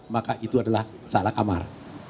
maka itu adalah salah kamar